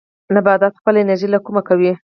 نباتات خپله انرژي له کومه کوي؟